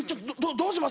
どうします？